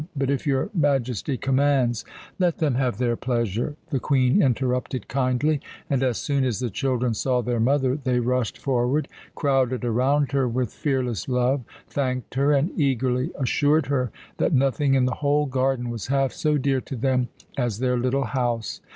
But if your Majesty commands " "Let them have their pleasure," the Queen interrupted kindly; and as soon as the children saw their mother they rushed forward, crowded around her with fearless love, thanked her, and eagerly assured her that nothing in the whole garden was half so dear to them as their little house.